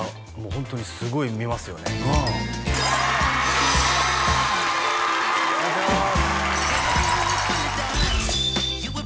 ホントにすごい見ますよねなあお願いします